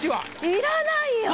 いらないよ！